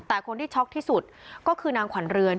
แต่คนที่ช็อกที่สุดก็คือนางขวัญเรือน